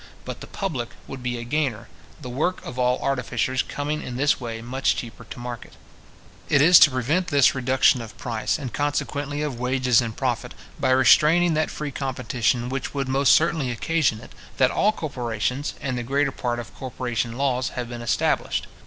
But the public would be a gainer, the work of all artificers coming in this way much cheaper to market. It is to prevent his reduction of price, and consequently of wages and profit, by restraining that free competition which would most certainly occasion it, that all corporations, and the greater part of corporation laws have been established.